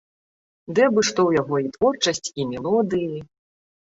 Ды абы што ў яго і творчасць, і мелодыі!